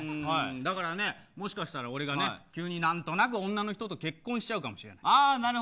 だから、もしかしたら俺が何となく女の人と結婚しちゃうかもしれない。